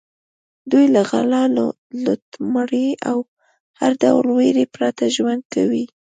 دوی له غلا، لوټمارۍ او هر ډول وېرې پرته ژوند کوي.